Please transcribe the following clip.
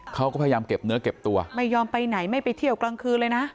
เขาก็พยายามเก็บเนื้อเก็บตัวไม่ยอมไปไหนไม่ไปเที่ยวกลางคืนเลยนะ